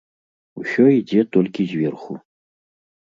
Усё ідзе толькі зверху.